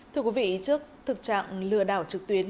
thưa quý vị trước thực trạng lừa đảo trực tuyến